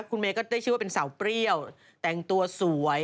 คุณเมย์ก็ได้ชื่อว่าเป็นสาวเปรี้ยวแต่งตัวสวย